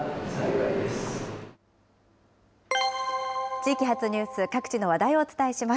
地域発ニュース、各地の話題をお伝えします。